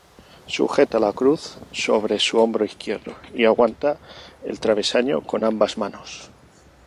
Sujeta la Cruz sobre su hombro izquierdo y aguanta el travesaño con ambas manos.